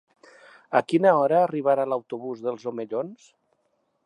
A quina hora arriba l'autobús dels Omellons?